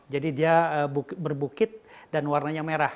jadi dia berbukit dan warnanya merah